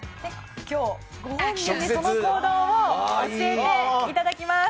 今日、ご本人に直接その行動を教えていただきます。